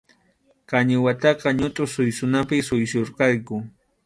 Qañiwataqa ñutʼu suysunapi suysurqayku.